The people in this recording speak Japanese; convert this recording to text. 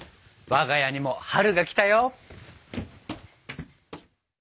我が家にも春が来たよ。